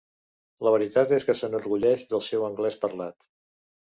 La veritat és que s'enorgulleix del seu anglès parlat.